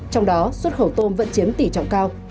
trong đó xuất khẩu tôm vẫn chiếm tỷ trọng cao